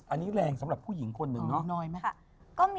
อันนี้แรงสำหรับผู้หญิงคนหนึ่งเนอะ